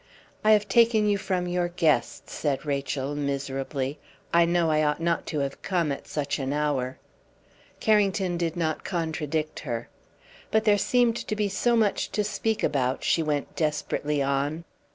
"I have taken you from your guests," said Rachel, miserably. "I know I ought not to have come at such an hour." Carrington did not contradict her. "But there seemed so much to speak about," she went desperately on.